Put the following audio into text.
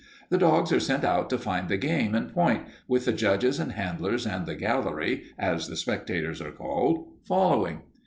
The dogs are sent out to find the game and point, with the judges and handlers and the gallery, as the spectators are called, following.